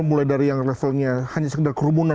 mulai dari yang levelnya hanya sekedar kerumunan